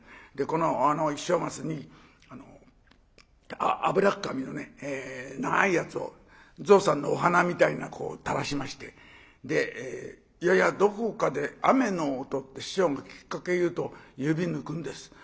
この一升ますに油っ紙の長いやつを象さんのお鼻みたいなこう垂らしまして「ややどこかで雨の音」って師匠がきっかけ言うと指抜くんです。